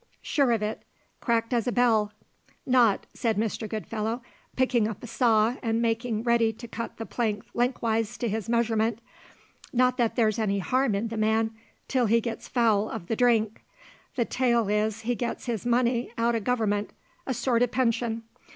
"Sure of it. Cracked as a bell. Not," said Mr. Goodfellow, picking up a saw and making ready to cut the plank lengthwise to his measurements "not that there's any harm in the man, until he gets foul of the drink. The tale is he gets his money out o' Government a sort of pension.